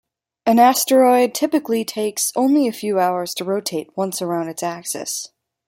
An asteroid typically takes only a few hours to rotate once around its axis.